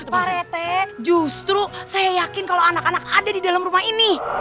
pak retek justru saya yakin kalau anak anak ada di dalam rumah ini